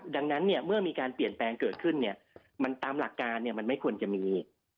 ดังนั้นเมื่อมีการเปลี่ยนแปลงเกิดขึ้นตามหลักการมันไม่ควรจะมี